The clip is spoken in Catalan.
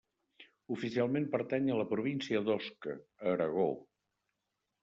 Oficialment pertany a la província d'Osca, a Aragó.